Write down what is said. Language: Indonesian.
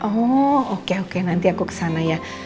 oh oke oke nanti aku kesana ya